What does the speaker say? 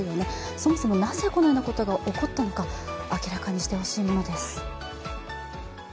そもそもなぜこんなことが起こったのか明らかにしてほしいものです。